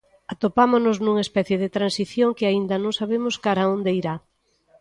Atopámonos nunha especie de transición que aínda non sabemos cara a onde irá.